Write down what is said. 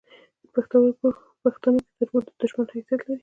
پښتنو کې تربور د دوشمن حیثت لري